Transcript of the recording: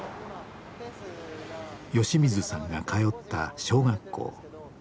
吉水さんが通った小学校。